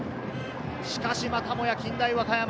しかしまたもや近大和歌山。